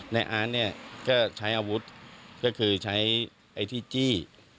อาร์ตเนี่ยก็ใช้อาวุธก็คือใช้ไอ้ที่จี้